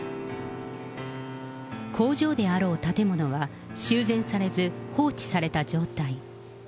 工場であろう建物は、修繕されず放置された状態。